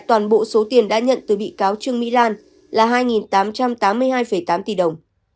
toàn bộ số tiền đã nhận từ bị cáo trương mỹ lan là hai tám trăm tám mươi hai tám tỷ đồng